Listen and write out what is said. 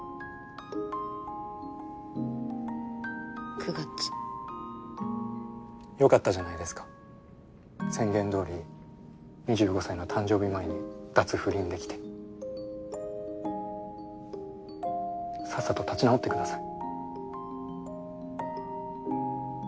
９月よかったじゃないですか宣言どおり２５歳の誕生日前に脱不倫できてさっさと立ち直ってください